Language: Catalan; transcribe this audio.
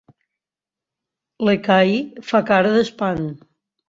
L'Ekahi fa cara d'espant.